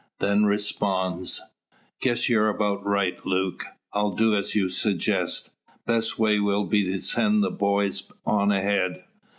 Then responds: "Guess you're about right, Luke. I'll do as you suggest. Best way will be to send the boys on ahead.